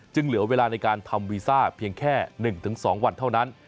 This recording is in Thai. เหลือเวลาในการทำวีซ่าเพียงแค่๑๒วันเท่านั้น